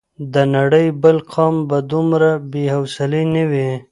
د نړۍ بل قوم به دومره بې حوصلې نه وي.